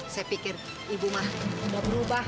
saya pikir ibu mah udah berubah